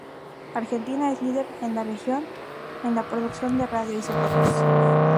Argentina es líder en la región en la producción de radioisótopos.